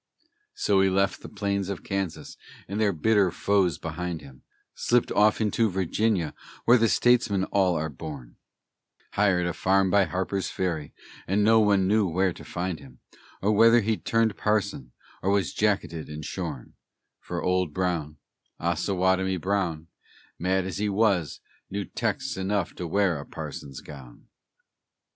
So he left the plains of Kansas and their bitter woes behind him, Slipt off into Virginia, where the statesmen all are born, Hired a farm by Harper's Ferry, and no one knew where to find him, Or whether he'd turned parson, or was jacketed and shorn; For Old Brown, Osawatomie Brown, Mad as he was, knew texts enough to wear a parson's gown.